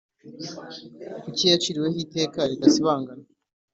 kuko yaciriweho iteka ridasibangana,